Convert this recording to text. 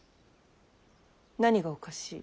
何がおかしい。